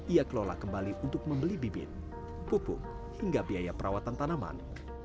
ia kelola kembali untuk membeli bibit pupuk hingga biaya perawatan tanaman